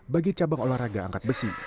bagi cabang olahraga angkat besi